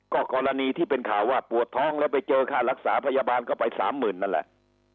ก็กรณีที่เป็นข่าวว่าปวดท้องแล้วไปเจอค่ารักษาพยาบาลก็ไปสามหมื่นนั่นแหละ